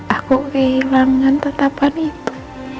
aku kehilangan tatapan itu